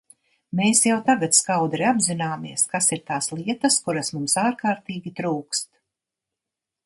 Mēs jau tagad skaudri apzināmies, kas ir tās lietas, kuras mums ārkārtīgi trūkst.